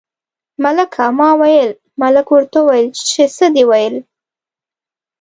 ملکه ما ویل، ملک ورته وویل چې څه دې ویل.